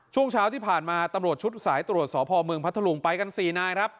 ช่วงเช้าที่ผ่านมาตำรวจชุดสายตรวจสพเมืองพัทธลุงไปกัน๔นายครับ